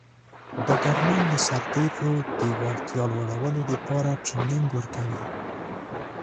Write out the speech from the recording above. ډګرمن د سرتیرو د وړتیا لوړولو لپاره ټرینینګ ورکوي.